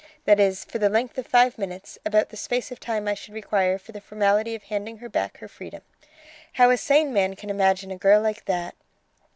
That is, for the length of five minutes; about the space of time I should require for the formality of handing her back her freedom. How a sane man can imagine a girl like that